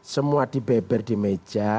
semua dibeber di meja